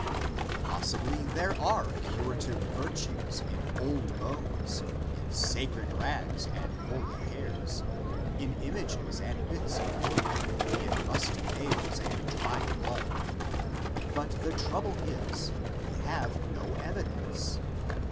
Possibly there are curative virtues in old bones, in sacred rags and holy hairs, in images and bits of wood, in rusty nails and dried blood, but the trouble is we have no evidence.